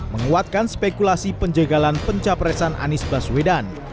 menguatkan spekulasi penjagalan pencapresan anies baswedan